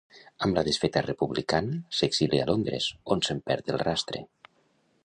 Amb la desfeta republicana, s'exilia a Londres, on se'n perd el rastre.